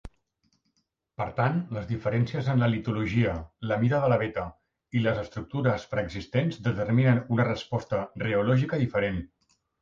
Per tant, les diferències en la litologia, la mida de la veta i les estructures preexistents determinen una resposta reològica diferent.